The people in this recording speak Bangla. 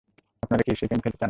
আপনারা কি এই গেম খেলতে চান?